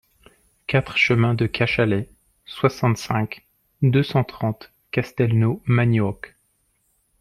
quatre chemin de Cachalet, soixante-cinq, deux cent trente, Castelnau-Magnoac